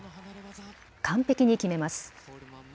完璧に決めます。